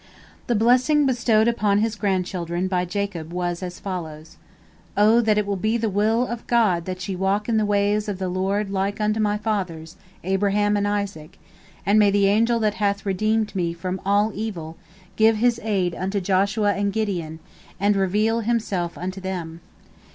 The blessing bestowed upon his grandchildren by Jacob was as follows: "O that it be the will of God that ye walk in the ways of the Lord like unto my fathers Abraham and Isaac, and may the angel that hath redeemed me from all evil give his aid unto Joshua and Gideon, and reveal himself unto them.